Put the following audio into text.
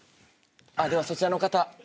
ではそちらの方。